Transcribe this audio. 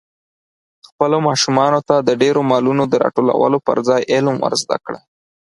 خپلو ماشومانو ته د ډېرو مالونو د راټولولو پر ځای علم ور زده کړئ.